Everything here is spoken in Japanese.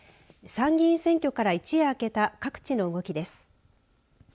参議院選挙から一夜明けた各地の動きです。